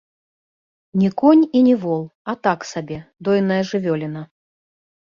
Не конь і не вол, а так сабе, дойная жывёліна.